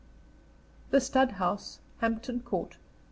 THE STUD HOUSE, HAMPTON COURT.